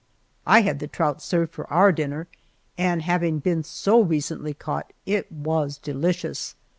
I had the trout served for our dinner, and, having been so recently caught, it was delicious.